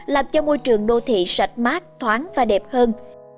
làm cho môi trường đô thị sạch mát thoáng và đẹp hơn